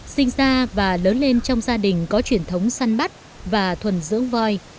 sinh ra và lớn lên trong gia đình có truyền thống săn bắt và thuần dưỡng voi